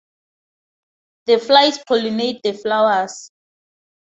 The flies pollinate the flowers.